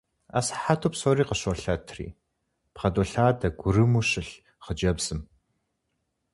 Асыхьэту псори къыщолъэтри, бгъэдолъадэ гурыму щылъ хъыджэбзым.